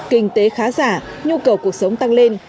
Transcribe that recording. kinh tế khá giả nhu cầu cuộc sống tăng lên